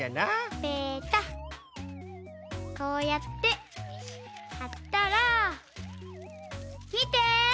こうやってはったらみて！